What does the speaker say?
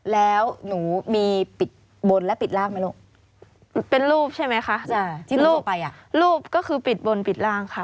แล้วหนูมีปิดบนและปิดล่างไหมล่ะเป็นรูปใช่ไหมคะรูปก็คือปิดบนปิดล่างค่ะ